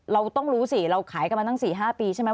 เราต้องรู้สิเราขายกันมาตั้ง๔๕ปีใช่ไหม